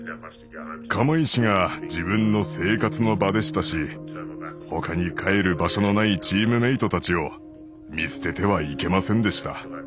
釜石が自分の生活の場でしたし他に帰る場所のないチームメートたちを見捨てては行けませんでした。